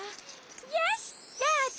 よしどうぞ！